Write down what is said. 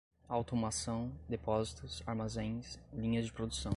automação, depósitos, armazéns, linhas de produção